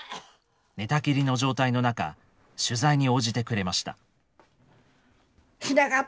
寝たきりの状態の中取材に応じてくれました。